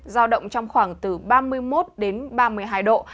giao động trong khoảng từ ba mươi một đến ba mươi hai độ